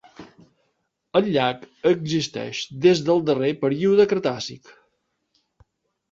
El llac existeix des del darrer període Cretàcic.